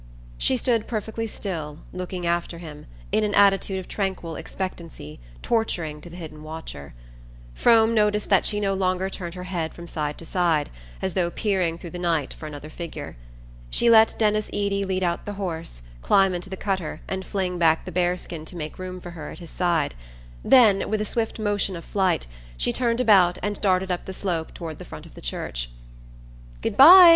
She stood perfectly still, looking after him, in an attitude of tranquil expectancy torturing to the hidden watcher. Frome noticed that she no longer turned her head from side to side, as though peering through the night for another figure. She let Denis Eady lead out the horse, climb into the cutter and fling back the bearskin to make room for her at his side; then, with a swift motion of flight, she turned about and darted up the slope toward the front of the church. "Good bye!